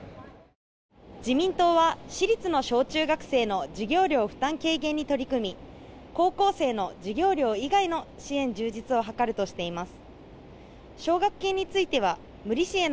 自民党は、私立の小中学生の授業料負担軽減に取り組み高校生の授業料以外の支援充実を図るとしています。